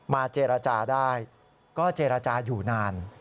เจรจาได้ก็เจรจาอยู่นาน